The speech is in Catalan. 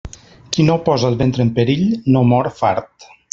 Qui no posa el ventre en perill no mor fart.